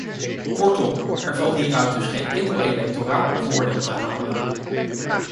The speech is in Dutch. Kortom, er valt hieruit dus geen enkel electoraal voordeel te halen.